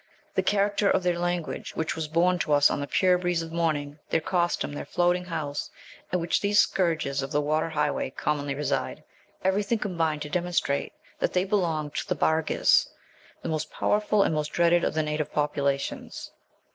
The character of their language which was borne to us on the pure breeze of morning their costume, their floating house, in which these scourges of the water highway commonly reside everything combined to demonstrate that they belonged to the Barghîz, the most powerful and most dreaded of the native populations.